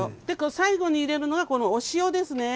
最後に入れるのは、お塩ですね。